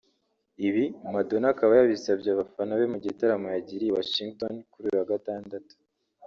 Ibi Madonna akaba yabisabye abafana be mu gitaramo yagiriye i Washington kuri uyu wa Gatandatu